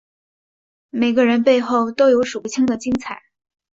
每个人背后都有数不清的精彩